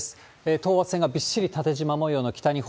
等圧線がびっしり縦じま模様の北日本。